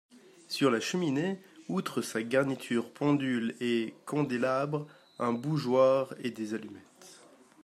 Sur la cheminée, outre sa garniture pendule et candélabres , un bougeoir et des allumettes.